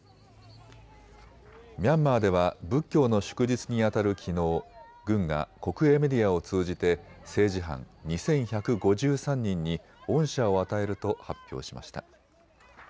ミャンマーでは仏教の祝日にあたるきのう軍が国営メディアを通じて政治犯２１５３人に恩赦を与えると発表しました。